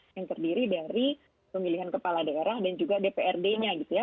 yang terdiri dari pemilihan kepala daerah dan juga dprd nya gitu ya